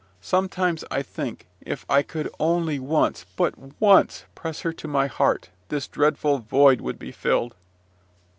Sometimes I think, if I could only once but once, press her to my heart, this dreadful void would be filled.